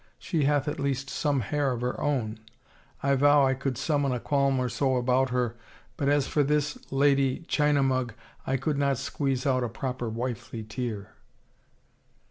She hath at least some hair of her own. I vow I could summon a qualm or so about her, but as for this — this lady Ghina Mug I could not squeeze out a proper wifely tear!"